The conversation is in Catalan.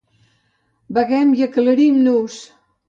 Beguem i aclarim-nos!